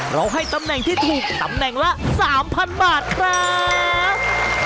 ให้ตำแหน่งที่ถูกตำแหน่งละ๓๐๐บาทครับ